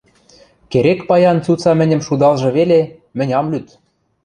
Керек паян цуца мӹньӹм шудалжы веле — мӹнь ам лӱд...